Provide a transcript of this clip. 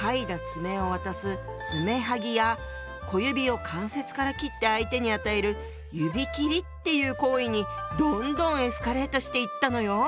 爪を渡す「爪剥ぎ」や小指を関節から切って相手に与える「指切り」っていう行為にどんどんエスカレートしていったのよ。